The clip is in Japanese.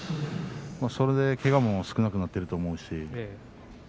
それでけがも少なくなっていると思います。